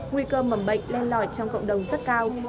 nguy cơ mầm bệnh len lỏi trong cộng đồng rất cao